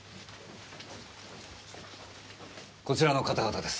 こちらの方々です。